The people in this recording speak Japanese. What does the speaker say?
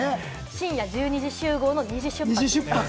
深夜１２時集合の２時出発です。